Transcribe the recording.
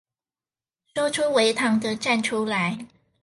誰說微糖的站出來